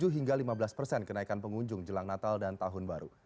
tujuh hingga lima belas persen kenaikan pengunjung jelang natal dan tahun baru